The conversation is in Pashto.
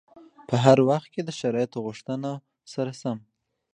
په هر وخت کې د شرایطو غوښتنو سره سم.